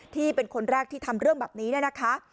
ที่เป็นคนแรกที่ทำเรื่องแบบนี้เนี่ยนะคะ